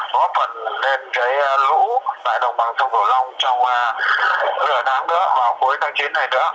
có phần lên cái lũ tại đồng bằng sông cửu long trong lửa đám nữa vào cuối tháng chín này nữa